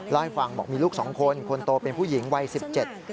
เล่าให้ฟังบอกมีลูกสองคนคนโตเป็นผู้หญิงวัยสิบเจ็ด